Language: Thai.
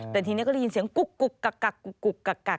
แต่ทีนี้ก็ได้ยินเสียงกุ๊กกักกุกกัก